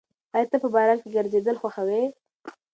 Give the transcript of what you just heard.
ایا ته په باران کې ګرځېدل خوښوې؟